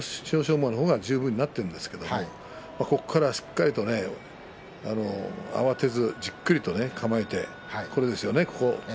馬の方が十分になっているんですけれどそこから、しっかりと慌てずじっくりと構えて。